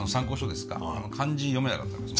あの漢字読めなかったです。